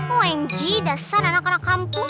omg dasar anak anak kampung